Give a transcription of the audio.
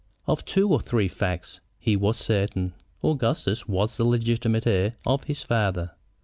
Of two or three facts he was certain. Augustus was the legitimate heir of his father.